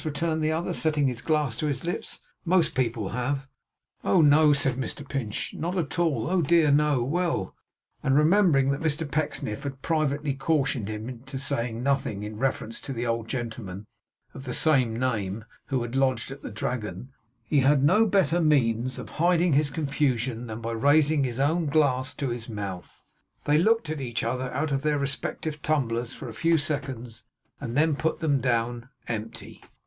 returned the other, setting his glass to his lips. 'Most people have.' 'Oh, no,' said Mr Pinch, 'not at all. Oh dear no! Well!' And then remembering that Mr Pecksniff had privately cautioned him to say nothing in reference to the old gentleman of the same name who had lodged at the Dragon, but to reserve all mention of that person for him, he had no better means of hiding his confusion than by raising his own glass to his mouth. They looked at each other out of their respective tumblers for a few seconds, and then put them down empty.